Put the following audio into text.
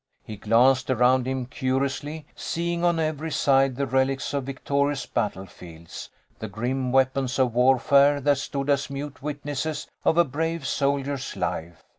He glanced around him curiously, seeing on every side the relics of victorious battle fields, the grim weapons of warfare that stood as mute witnesses of a brave soldier's life.